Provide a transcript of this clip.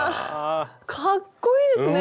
かっこいいですね。